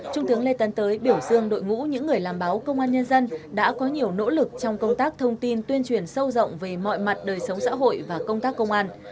trung tướng lê tấn tới biểu dương đội ngũ những người làm báo công an nhân dân đã có nhiều nỗ lực trong công tác thông tin tuyên truyền sâu rộng về mọi mặt đời sống xã hội và công tác công an